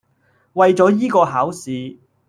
為咗依個考試